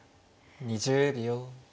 ２０秒。